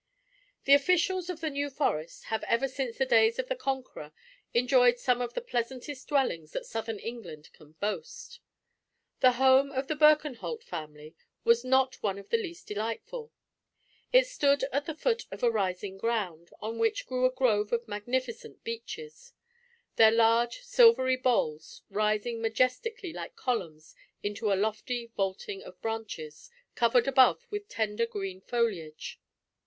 The officials of the New Forest have ever since the days of the Conqueror enjoyed some of the pleasantest dwellings that southern England can boast. The home of the Birkenholt family was not one of the least delightful. It stood at the foot of a rising ground, on which grew a grove of magnificent beeches, their large silvery boles rising majestically like columns into a lofty vaulting of branches, covered above with tender green foliage.